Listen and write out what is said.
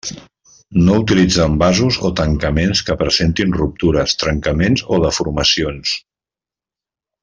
No utilitzar envasos o tancaments que presentin ruptures, trencaments o deformacions.